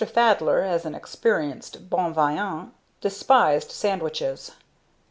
Thaddler, as an experienced bon vivant, despised sandwiches.